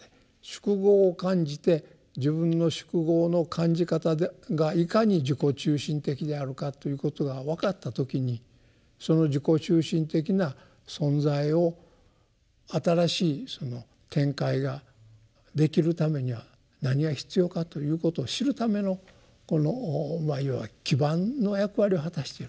「宿業」を感じて自分の「宿業」の感じ方がいかに自己中心的であるかということが分かった時にその自己中心的な存在を新しい展開ができるためには何が必要かということを知るためのこのいわば基盤の役割を果たしていると。